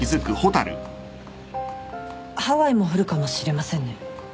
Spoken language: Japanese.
ハワイも降るかもしれませんね。